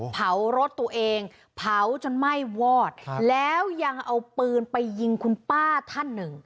เผารถตัวเองเผาจนไหม้วอดแล้วยังเอาปืนไปยิงคุณป้าท่านหนึ่ง